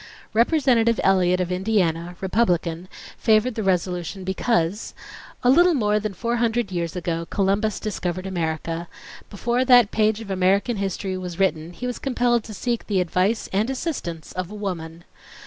Representative Elliott of Indiana, Republican, favored the resolution because—"A little more than four hundred years ago Columbus discovered America. Before that page of American history was written he was compelled to seek the advice and assistance of a woman.